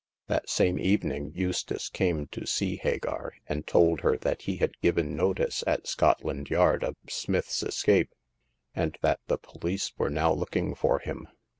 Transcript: That same evening Eustace came to see Hagar, and told her that he had given notice at Scot land Yard of Smith's escape, and that the police were now looking for him.